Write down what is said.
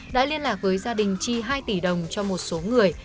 đã liên lạc với gia đình chi hai tỷ đồng cho một số người